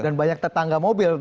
dan banyak tetangga mobil